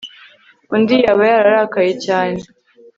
Undi yaba yararakaye cyane